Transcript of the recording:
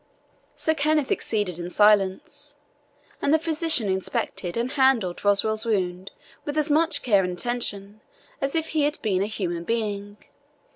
Sir Kenneth acceded in silence, and the physician inspected and handled Roswal's wound with as much care and attention as if he had been a human being.